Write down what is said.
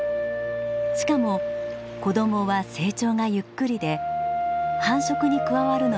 しかも子どもは成長がゆっくりで繁殖に加わるのは１０歳くらいからです。